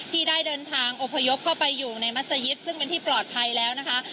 ที่ได้เดินทางอพยพเข้าไปอยู่ในมัศยิตซึ่งเป็นที่ปลอดภัยแล้วนะคะ